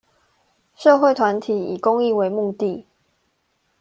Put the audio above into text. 社會團體以公益為目的